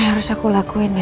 ya udah sekarang